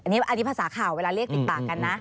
อันนี้ภาษาข่าวเวลาเรียกติดปากกันนะ